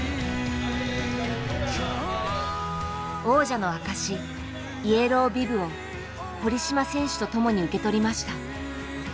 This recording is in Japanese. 王者の証し「イエロービブ」を堀島選手と共に受け取りました。